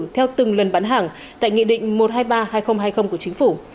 theo từng lần bán hàng tại nghị định một trăm hai mươi ba hai nghìn hai mươi của chính phủ